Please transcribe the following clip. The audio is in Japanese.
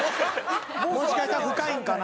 もしかしたら深いんかな？